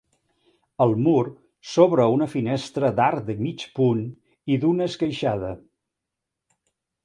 Al mur s'obre una finestra d'arc de mig punt i d'una esqueixada.